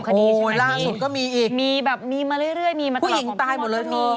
โหยล่าสุดก็มีอีกมีแบบมีมาเรื่อยมีมาตลอดของผู้มอบก็มี